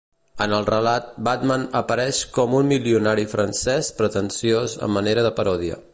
En el relat, Batman apareix com un milionari francès pretensiós a manera de paròdia.